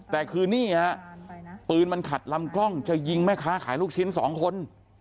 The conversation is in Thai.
แต่คือนี่ฮะปืนมันขัดลำกล้องจะยิงแม่ค้าขายลูกชิ้นสองคน